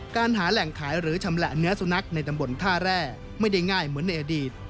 หาแหล่งขายหรือชำแหละเนื้อสุนัขในตำบลท่าแร่ไม่ได้ง่ายเหมือนในอดีต